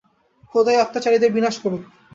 খোদা এই অত্যাচারীদের বিনাশ করুক!